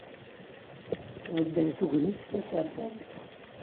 Tbeddel tegnit tasertant.